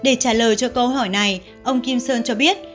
để trả lời cho câu hỏi này ông kim sơn cho biết